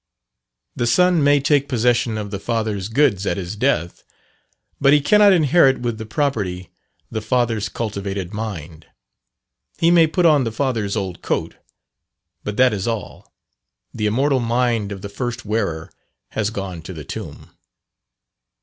The son may take possession of the father's goods at his death, but he cannot inherit with the property the father's cultivated mind. He may put on the father's old coat, but that is all: the immortal mind of the first wearer has gone to the tomb.